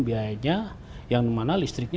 biayanya yang mana listriknya